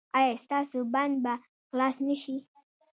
ایا ستاسو بند به خلاص نه شي؟